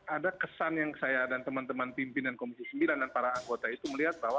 ada kesan yang saya dan teman teman pimpinan komisi sembilan dan para anggota itu melihat bahwa